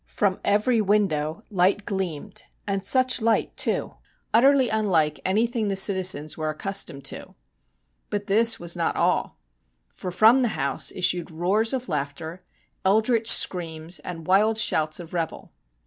From every window light gleamed, and such light, too !— utterly unlike anything the citizens were accustomed to. But this was not all, for from the house issued roars of laughter, eldritch screams, and wild shouts of revel.